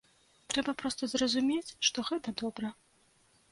Трэба проста зразумець, што гэта добра.